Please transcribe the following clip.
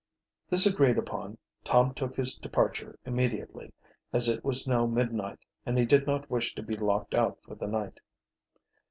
This agreed upon, Tom took his departure immediately, as it was now midnight, and he did not wish to be locked out for the night.